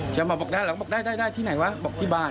เชียวมาบอกได้หรอบอกได้ที่ไหนวะบอกที่บ้าน